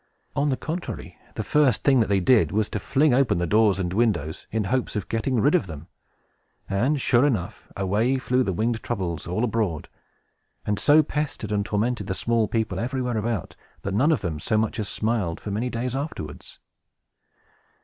On the contrary, the first thing that they did was to fling open the doors and windows, in hopes of getting rid of them; and, sure enough, away flew the winged Troubles all abroad, and so pestered and tormented the small people, everywhere about, that none of them so much as smiled for many days afterwards.